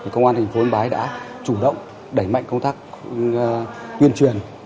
công an thành phố yên bái đã chủ động đẩy mạnh công tác tuyên truyền